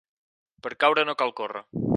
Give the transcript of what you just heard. Per a caure no cal córrer.